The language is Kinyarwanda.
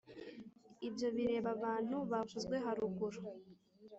ibyo bireba abantu bavuzwe haruguru